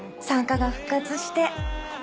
産科が復活して。